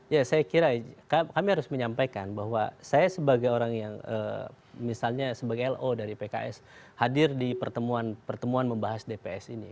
ya saya kira kami harus menyampaikan bahwa saya sebagai orang yang misalnya sebagai lo dari pks hadir di pertemuan pertemuan membahas dps ini